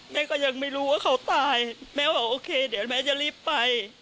ก็ยังไม่รู้ว่าเขาตายแม่บอกโอเคเดี๋ยวแม่จะรีบไป